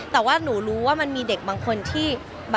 แต่ว่าหนูรู้ว่ามันมีเด็กบางคนที่